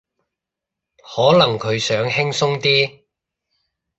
可能佢想輕鬆啲